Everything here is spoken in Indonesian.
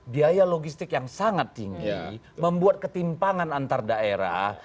biaya logistik yang sangat tinggi membuat ketimpangan antar daerah